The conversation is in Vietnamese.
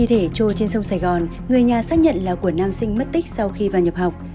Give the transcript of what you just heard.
thi thể trôi trên sông sài gòn người nhà xác nhận là của nam sinh mất tích sau khi vào nhập học